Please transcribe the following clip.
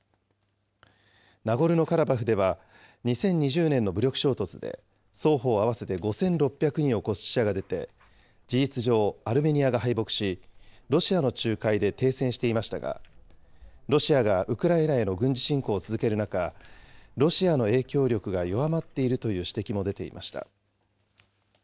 ナゴルノカラバフでは２０２０年の武力衝突で、双方合わせて５６００人を超す死者が出て、事実上、アルメニアが敗北し、ロシアの仲介で停戦していましたが、ロシアがウクライナへの軍事侵攻を続ける中、ロシアの影響力が弱まっているという指摘も出ていました。